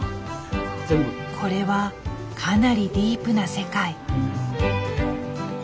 これはかなりディープな世界。